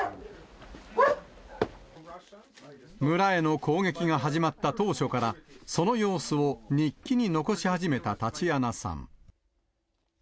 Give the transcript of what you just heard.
村への攻撃が始まった当初から、その様子を日記に残し始めたタチアナさん。